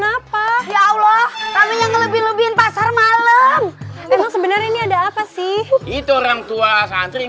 apa ya allah lebih lebih pasar malam sebenarnya ini ada apa sih itu orang tua santri yang